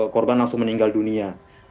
korban langsung meninggal dunia